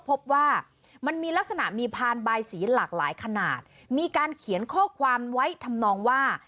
พบว่ามันมีลักษณะมีพานบายสีหลากหลายขนาดมีการเขียนข้อความไว้ทำนองว่า